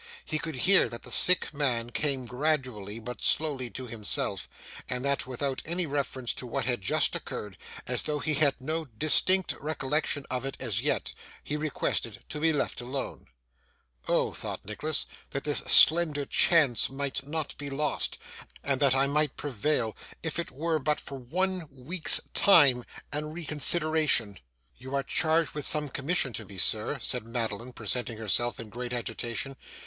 He could hear that the sick man came gradually, but slowly, to himself, and that without any reference to what had just occurred, as though he had no distinct recollection of it as yet, he requested to be left alone. 'Oh!' thought Nicholas, 'that this slender chance might not be lost, and that I might prevail, if it were but for one week's time and reconsideration!' 'You are charged with some commission to me, sir,' said Madeline, presenting herself in great agitation.